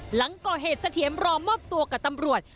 หลังก่อเหตุเสถียรรอมอบตัวกับตำรวจ